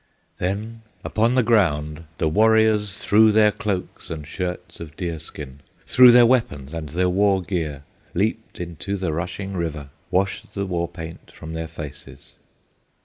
Then upon the ground the warriors Threw their cloaks and shirts of deer skin, Threw their weapons and their war gear, Leaped into the rushing river, Washed the war paint from their faces.